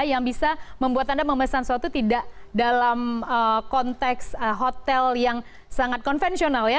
yang bisa membuat anda memesan suatu tidak dalam konteks hotel yang sangat konvensional ya